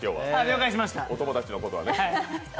お友達の方はね。